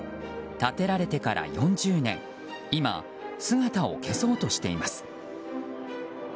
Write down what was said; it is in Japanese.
建てられてから４０年今、姿を消そうとしています。